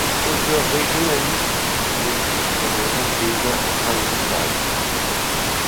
Auteur régionaliste, il écrit sur le monde paysan en train de disparaître.